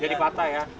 jadi patah ya